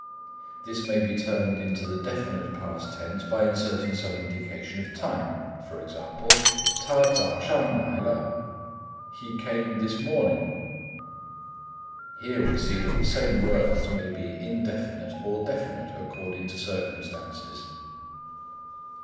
This may be turned into the definite past tense by inserting some indication of time; e.g. 他早上来了= "he came this morning." Here we see that the same words may be indefinite or definite according to circumstances.